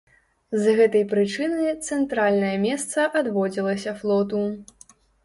З гэтай прычыны цэнтральнае месца адводзілася флоту.